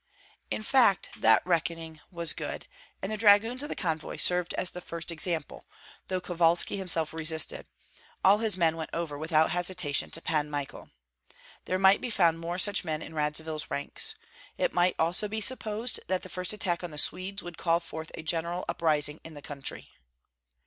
In fact, that reckoning was good; and the dragoons of the convoy served as the first example, though Kovalski himself resisted all his men went over without hesitation to Pan Michael. There might be found more such men in Radzivill's ranks. It might also be supposed that the first attack on the Swedes would call forth a general uprising in the country.